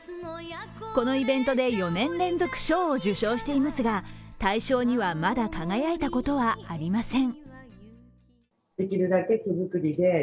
このイベントで４年連続賞を受賞していますが大賞にはまだ輝いたことはありません。